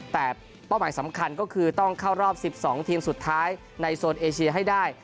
แต่เป้าหมายสำคัญก็คือต้องเข้ารอบ๑๒ทีมสุดท้ายในโซนเอเชียให้ได้